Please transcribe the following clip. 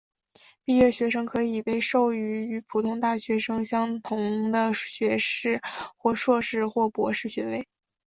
毕业学生可以被授予与普通大学相同的学士或硕士或博士学位。